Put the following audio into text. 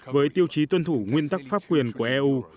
với tiêu chí tuân thủ nguyên tắc pháp quyền của eu